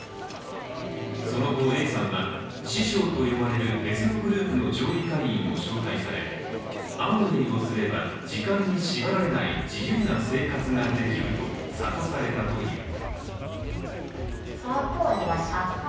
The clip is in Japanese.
その後、Ａさんは師匠と呼ばれる別のグループの上位会員を紹介されアムウェイをすれば時間に縛られない自由な生活ができると諭されたという。